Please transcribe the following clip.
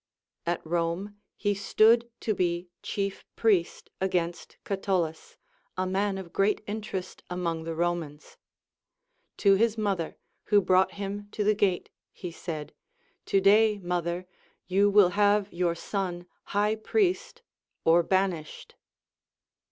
At Home he stood to be chief priest against Catulus, a man of great interest among the Romans. To his mother, who brought him to the gate, he said. To day, mother, you will have your son high priest or banished.